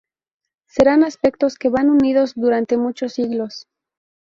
Serán aspectos que van unidos durante muchos siglos.